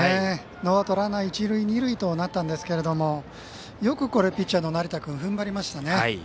ノーアウトランナー、一塁二塁となったんですけどもよくピッチャーの成田君踏んばりましたね。